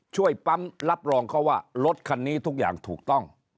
ช่วยปั๊มรับรองเขาว่ารถคันนี้ทุกอย่างถูกต้อง